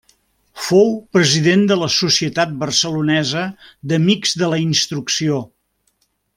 Fou president de la Societat Barcelonesa d'Amics de la Instrucció.